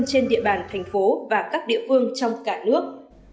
trên địa bàn thành phố và các địa phương trong cả nước